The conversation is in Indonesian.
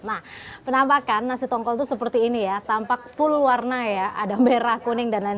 nah penampakan nasi tongkol itu seperti ini ya tampak full warna ya ada merah kuning dan lain